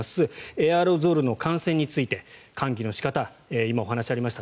エアロゾルの感染について換気の仕方、今お話がありました